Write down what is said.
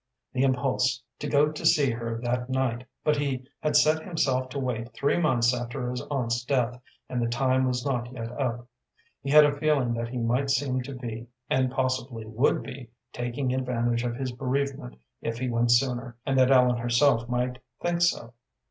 The impulse was strong upon him to go to see her that night, but he had set himself to wait three months after his aunt's death, and the time was not yet up. He had a feeling that he might seem to be, and possibly would be, taking advantage of his bereavement if he went sooner, and that Ellen herself might think so.